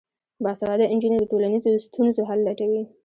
باسواده نجونې د ټولنیزو ستونزو حل لټوي.